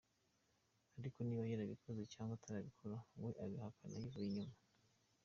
"Ariko niba yarabikoze cyangwa atarabikoze, we abihakana yivuye inyuma.